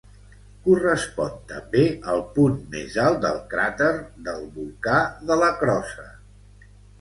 Correspon també al punt més alt del cràter del volcà de la Crosa.